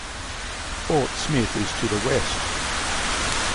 Fort Smith is to the west.